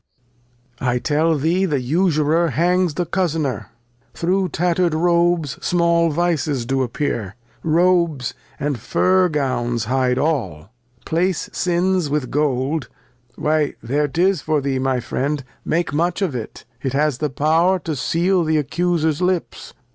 I tell thee the Usurer hangs the Couz'ner, through tatter'd Robes small Vices do appear ; Robes, and Fur Gowns hide aU : Place Sins with Gold ; why there 'tis for thee, my Friend, make much of it ; it has the Power to seal the Accuser's Lips.